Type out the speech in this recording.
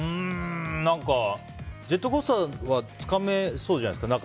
ジェットコースターはつかめそうじゃないですか。